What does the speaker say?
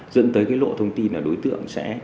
dẫn tới cái lộ thông tin là đối tượng sẽ